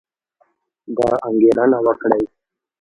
دا انګېرنه وکړئ